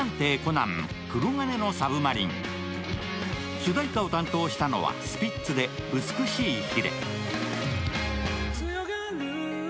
主題歌を担当したのはスピッツで「美しい鰭」。